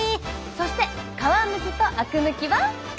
そして「皮むき」と「あく抜き」は。